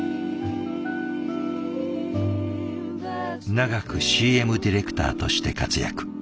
長くＣＭディレクターとして活躍。